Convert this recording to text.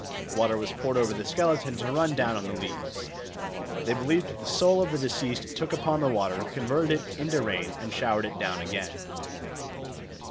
Water was poured over the skeleton to run down on the leaves. They believed that the soul of the deceased took up the water, converted it into rain, and showered it down again.